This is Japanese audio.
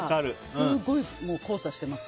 すごい交差してます。